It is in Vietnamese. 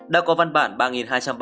đã có văn bản ba hai trăm ba mươi một